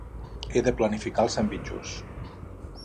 He de planificar els sandvitxos.